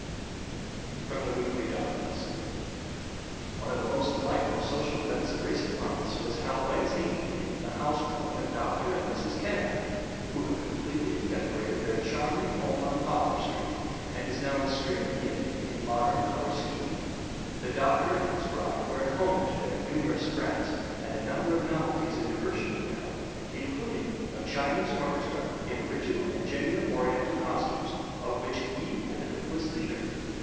V From the Weekly Dauntless: One of the most delightful social events of recent months was held Wednesday evening in the housewarming of Dr. and Mrs. Kennicott, who have completely redecorated their charming home on Poplar Street, and is now extremely nifty in modern color scheme. The doctor and his bride were at home to their numerous friends and a number of novelties in diversions were held, including a Chinese orchestra in original and genuine Oriental costumes, of which Ye Editor was leader.